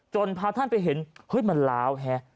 จนพาท่านไปเห็นเฮ้ยมันร้าวแหง